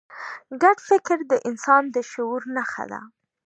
ګډ فکر د انسان د شعور نښه ده.